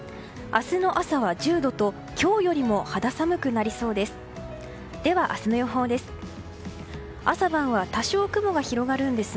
明日の朝は１０度と今日よりも肌寒くなりそうです。